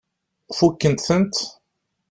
Fukkent-tent?